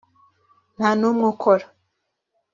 nta n umwe ukora.